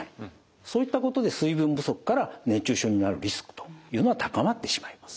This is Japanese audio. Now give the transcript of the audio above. そういったことで水分不足から熱中症になるリスクというのは高まってしまいます。